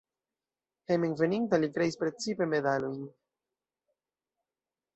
Hejmenveninta li kreis precipe medalojn.